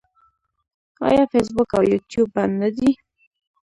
آیا فیسبوک او یوټیوب بند نه دي؟